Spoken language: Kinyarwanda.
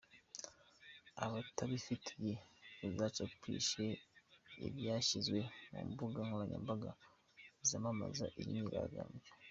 Abatabifite muzacapishe ibyashyizwe ku mbuga nkoranyambaga zamamaza iyi myigaragambyo.